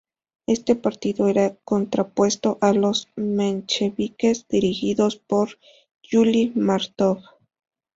Este partido era contrapuesto a los mencheviques, dirigidos por Yuli Mártov.